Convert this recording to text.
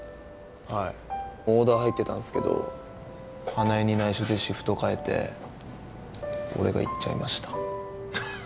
はいオーダー入ってたんすけど花枝に内緒でシフトかえて俺が行っちゃいました